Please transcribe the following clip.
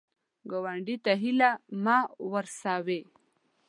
ګاونډي ته هیله مه ورسوې